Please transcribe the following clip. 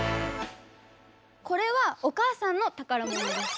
これはお母さんの宝物です。